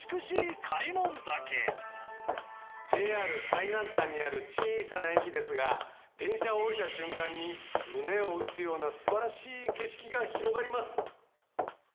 ＪＲ最南端にある小さな駅ですが電車を降りた瞬間に胸を打つような素晴らしい景色が広がります！